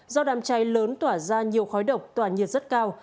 do đám cháy lớn tỏa ra nhiều khói độc tỏa nhiệt rất cao